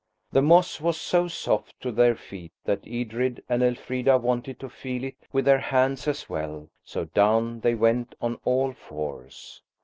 The moss was so soft to their feet that Edred and Elfrida wanted to feel it with their hands as well, so down they went on all fours.